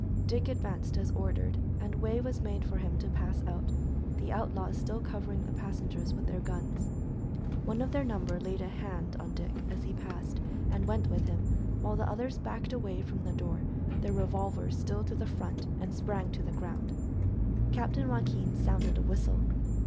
Dick advanced, as ordered, and way was made for him to pass out, the outlaws still covering the passengers with their guns. One of their number laid a hand on Dick as he passed, and went with him, while the others backed away from the door, their revolvers still to the front, and sprang to the ground. Captain Joaquin sounded a whistle.